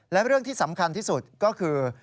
และเรื่องที่สำคัญที่สุดก็คือ